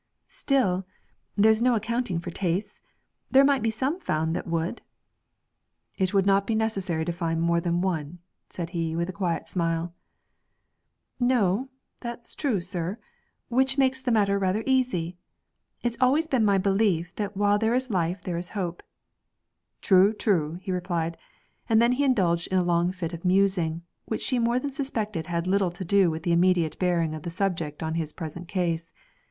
'Still, there's no accounting for tastes; there might be some found that would.' 'It would not be necessary to find more than one,' said he, with a quiet smile. 'No, that's true, sir, which makes the matter rather easier. It's always been my belief that while there is life there is hope.' 'True, true,' he replied; and then he indulged in a long fit of musing, which she more than suspected had little to do with the immediate bearing of the subject on his present case.